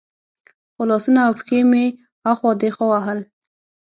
خو لاسونه او پښې مې اخوا دېخوا وهل.